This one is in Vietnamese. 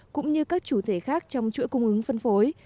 cũng như các chủ thể khác trong chuỗi cung ứng phân phối